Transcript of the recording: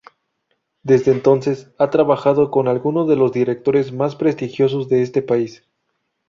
Desde entonces, ha trabajado con algunos de los directores más prestigiosos de este país.